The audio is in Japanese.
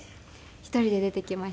１人で出てきました。